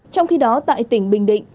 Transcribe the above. trong khi đó tại tỉnh bình định